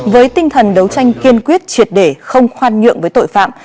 với tinh thần đấu tranh kiên quyết triệt để không khoan nhượng với tội phạm